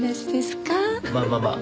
まあまあまあ。